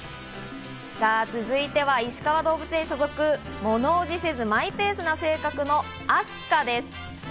続いては、いしかわ動物園所属、物おじせずマイペースな性格のアスカです。